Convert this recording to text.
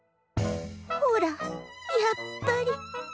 ほらやっぱり。